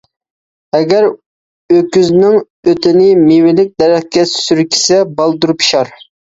ئەگەر ئۆكۈزنىڭ ئۆتىنى مېۋىلىك دەرەخكە سۈركىسە بالدۇر پىشار.